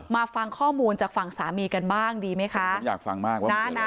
ฟังข้อมูลจากฝั่งสามีกันบ้างดีไหมคะผมอยากฟังมากเลยนะ